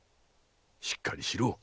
しっかりしろ。